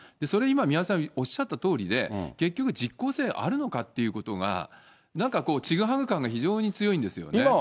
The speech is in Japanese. それ今、宮根さんおっしゃったとおりで、結局、実効性あるのかということが、なんかこう、ちぐはぐ感が非常に強いんですよね。